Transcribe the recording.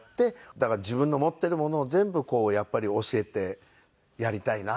だから自分の持っているものを全部やっぱり教えてやりたいなっていう。